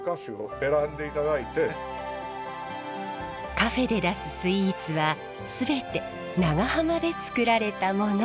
カフェで出すスイーツは全て長浜で作られたもの。